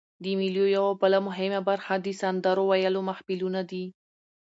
د مېلو یوه بله مهمه برخه د سندرو ویلو محفلونه دي.